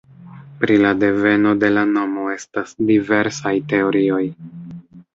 Pri la deveno de la nomo estas diversaj teorioj.